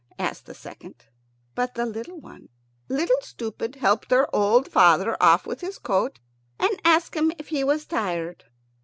asked the second. But the little one, Little Stupid, helped her old father off with his coat, and asked him if he was tired.